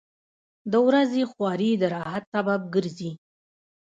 • د ورځې خواري د راحت سبب ګرځي.